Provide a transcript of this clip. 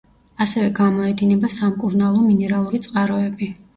ასევე გამოედინება სამკურნალო მინერალური წყაროები.